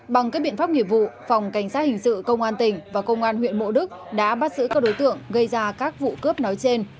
bằng các biện pháp nghiệp vụ phòng cảnh sát hình sự công an tỉnh và công an huyện mộ đức đã bắt giữ các đối tượng gây ra các vụ cướp nói trên